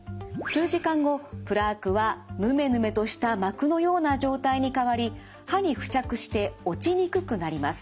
数時間後プラークはぬめぬめとした膜のような状態に変わり歯に付着して落ちにくくなります。